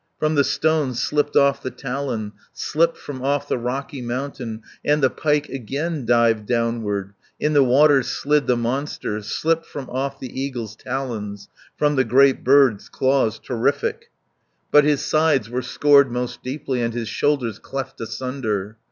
260 From the stone slipped off the talon, Slipped from off the rocky mountain, And the pike again dived downward, In the water slid the monster, Slipped from off the eagle's talons, From the great bird's claws terrific, But his sides were scored most deeply, And his shoulders cleft asunder.